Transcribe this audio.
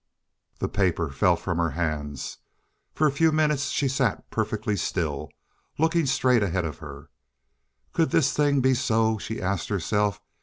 The paper fell from her hands. For a few minutes she sat perfectly still, looking straight ahead of her. Could this thing be so? she asked herself.